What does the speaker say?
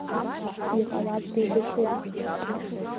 Иҟалап деибашьыргьы.